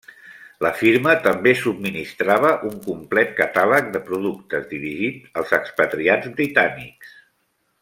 La firma també subministrava un complet catàleg de productes, dirigit als expatriats britànics.